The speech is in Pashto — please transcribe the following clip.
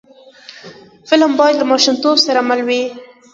فلم باید له ماشومتوب سره مل وي